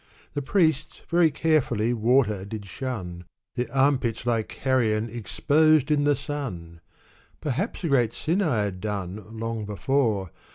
The priests %'ery carefully water did shun ; Their armpits like carrion exposed in the sun ! Perhaps a great sin I had done, long before.